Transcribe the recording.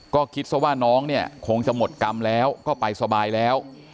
ก็คิดซะว่าน้องเนี่ยคงจะหมดกรรมแล้วก็ไปสบายแล้ว